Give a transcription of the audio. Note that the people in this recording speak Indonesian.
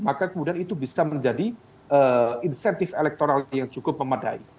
maka kemudian itu bisa menjadi insentif elektoral yang cukup memadai